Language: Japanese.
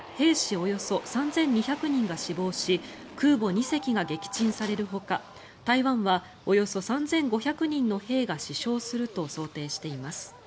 およそ３２００人が死亡し空母２隻が撃沈されるほか台湾はおよそ３５００人の兵が死傷すると想定しています。